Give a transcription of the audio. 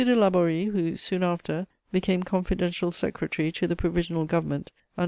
de Laborie, who, soon after, became confidential secretary to the Provisional Government under M.